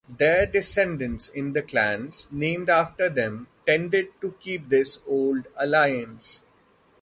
Their descendants in the clans named after them tended to keep this old alliance.